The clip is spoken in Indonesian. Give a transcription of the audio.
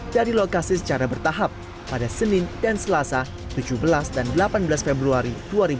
dari lokasi secara bertahap pada senin dan selasa tujuh belas dan delapan belas februari dua ribu dua puluh